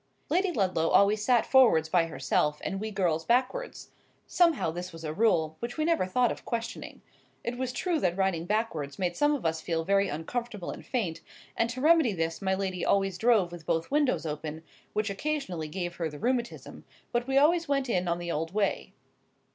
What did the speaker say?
Lady Ludlow always sat forwards by herself, and we girls backwards. Somehow this was a rule, which we never thought of questioning. It was true that riding backwards made some of us feel very uncomfortable and faint; and to remedy this my lady always drove with both windows open, which occasionally gave her the rheumatism; but we always went on in the old way.